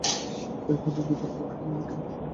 কয়েক ঘণ্টা যুদ্ধের পর পাকিস্তানিরা কোণঠাসা।